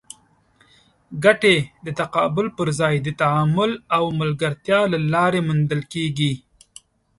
ګټې د تقابل پر ځای د تعامل او ملګرتیا له لارې موندل کېږي.